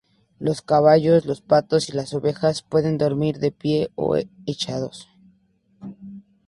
Los caballos, los patos y las ovejas pueden dormir de pie o echados.